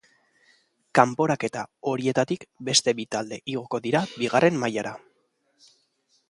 Kanporaketa horietatik beste bi talde igoko dira Bigarren mailara.